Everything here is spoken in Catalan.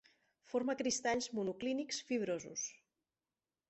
Forma cristalls monoclínics fibrosos.